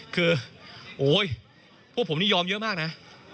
คือโอ๊ยพวกผมนี่ยอมเยอะมากนะ